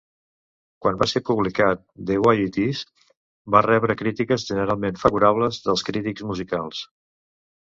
Quan va ser publicat, " The Way It is" va rebre crítiques generalment favorables dels crítics musicals.